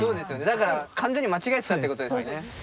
だから完全に間違えてたってことですよね。